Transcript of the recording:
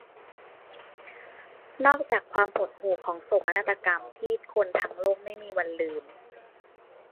นอกจากความหดหู่ของโศกนาฏกรรมที่คนทั้งโลกไม่มีวันลืม